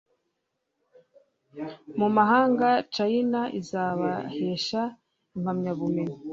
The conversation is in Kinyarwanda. mu mahanga china azabahesha impamyabumenyi